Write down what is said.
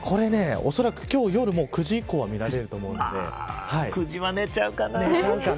おそらく今日夜９時以降は見られると思うんで９時は寝ちゃうかな。